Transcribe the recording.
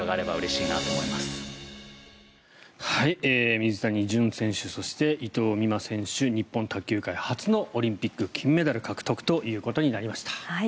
水谷隼選手そして伊藤美誠選手日本卓球界初のオリンピック金メダル獲得ということになりました。